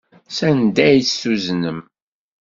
Sanda ay tt-tuznem?